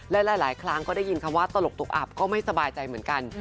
และหลายครั้งก็ได้ยินคำว่าตลกตกอับก็ไม่สบายใจเหมือนกัน